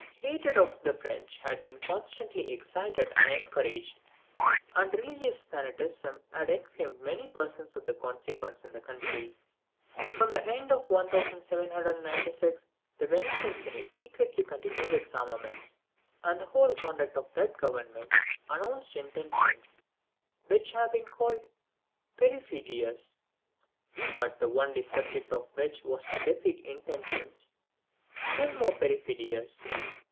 Hatred of the French had been constantly excited and encouraged, and religious fanaticism had inflamed many persons of consequence in the country. From the end of 1796 the Venetian Senate secretly continued its armaments, and the whole conduct of that Government announced intentions which have been called perfidious, but the only object of which was to defeat intentions still more perfidious.